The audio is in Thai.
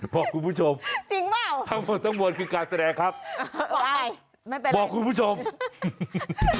บอกคุณผู้ชมทั้งหมดทั้งหมดคือการแสดงครับบอกใครบอกคุณผู้ชมเออจริงหรือเปล่า